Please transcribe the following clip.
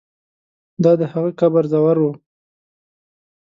دا د هغه قبر زور وو.